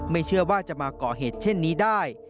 เชื่อว่าจะมาก่อเหตุเช่นนี้ได้